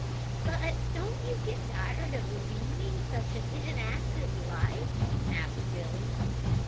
"But don't you get tired leading such an inactive life?" asked Billy.